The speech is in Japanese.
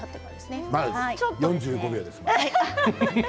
まだ４５秒です。